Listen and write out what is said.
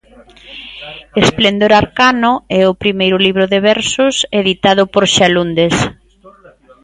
Esplendor arcano é o primeiro libro de versos editado por Xalundes.